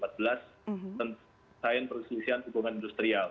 tentu tain perselisihan hukuman industrial